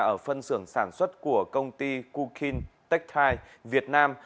ở phân xưởng sản xuất của công ty kukin tech thai việt nam